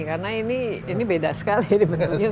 karena ini beda sekali